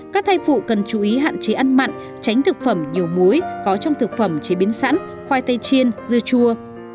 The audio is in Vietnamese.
các thai phụ cần chú ý hạn chế ăn mặn tránh thực phẩm nhiều muối có trong thực phẩm chế biến sẵn khoai tây chiên dưa chua